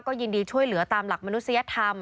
ยินดีช่วยเหลือตามหลักมนุษยธรรม